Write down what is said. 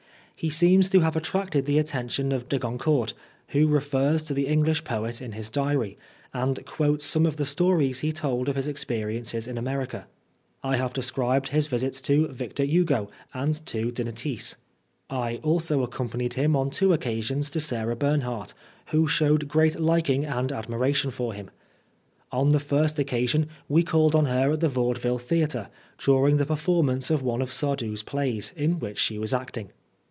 He seems to have attracted the attention of de Goncourt, who refers to the English poet in his diary, and quotes some of the stories he told of his experiences in America. I have described his visits to Victor Hugo and to de Nitis. I also accompanied him on two occasions to Sarah Bernhardt, who showed great liking and admiration for him. On the first occa sion we called on her at the Vaudeville Theatre, during the performance of one of Sardou's plays, in which she was acting.